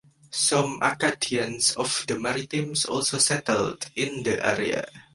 Some Acadians of the Maritimes also settled in the area.